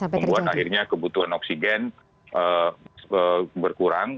membuat akhirnya kebutuhan oksigen berkurang